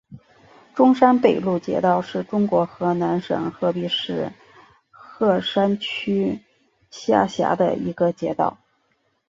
中山北路街道是中国河南省鹤壁市鹤山区下辖的一个街道。